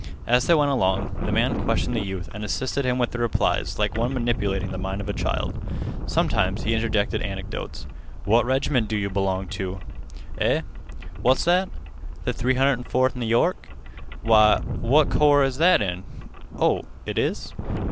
As they went along, the man questioned the youth and assisted him with the replies like one manipulating the mind of a child. Sometimes he interjected anecdotes. "What reg'ment do yeh b'long teh? Eh? What's that? Th' 304th N' York? Why, what corps is that in? Oh, it is?